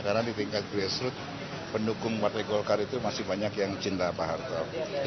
karena di tingkat grassroot pendukung partai golkar itu masih banyak yang cinta pak hartonya